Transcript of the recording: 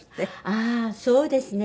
ああそうですね。